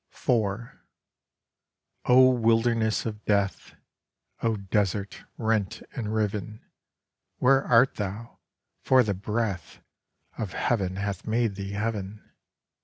IV O Wilderness of Death, O Desert rent and riv'n, Where art thou?—for the breath Of heav'n hath made thee Heav'n.